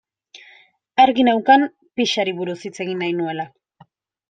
Argi neukan pixari buruz hitz egin nahi nuela.